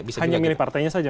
hanya milih partainya saja